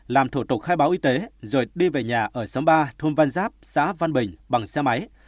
làm thủ tục khai báo y tế rồi đi về nhà ở xóm ba thôn văn giáp xã văn bình bằng xe máy